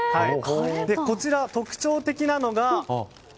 こちら、特徴的なのが。